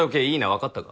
分かったか。